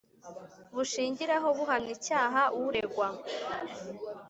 Bushingiraho buhamya icyaha uregwa